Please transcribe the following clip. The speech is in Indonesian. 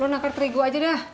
lo nakar terigu aja dah